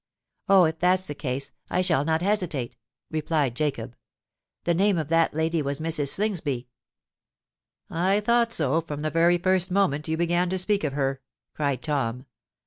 "Oh! if that's the case, I shall not hesitate," replied Jacob. "The name of that lady was Mrs. Slingsby." "I thought so from the very first moment you began to speak of her!" cried Tom.